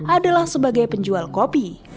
adalah sebagai penjual kopi